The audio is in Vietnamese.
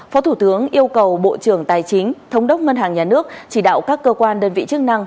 phó thủ tướng yêu cầu bộ trưởng tài chính thống đốc ngân hàng nhà nước chỉ đạo các cơ quan đơn vị chức năng